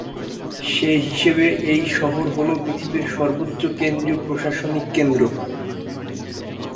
সেই হিসেবে এই শহর হল পৃথিবীর সর্বোচ্চ দেশীয় প্রশাসনিক কেন্দ্র।